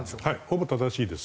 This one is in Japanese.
ほぼ正しいです。